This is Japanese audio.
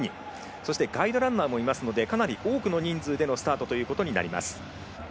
そしてガイドランナーもいますのでかなり多くの人数でのスタートとなります。